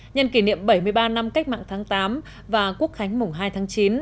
nhân kỷ niệm bảy mươi ba năm cách mạng tháng tám và quốc khánh mùng hai tháng chín